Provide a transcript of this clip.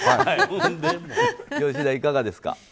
吉田、いかがですか？